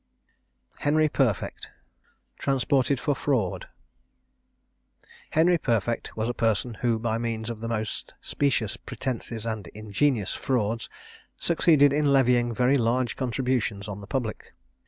HENRY PERFECT. TRANSPORTED FOR FRAUD. Henry Perfect was a person who, by means of the most specious pretences and ingenious frauds, succeeded in levying very large contributions on the public.